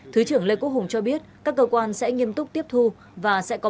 thứ trưởng lê quốc hùng cho biết các cơ quan sẽ nghiêm túc tiếp thu và sẽ có